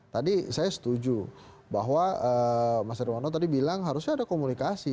tadi saya setuju bahwa mas herwana tadi bilang harusnya ada komunikasi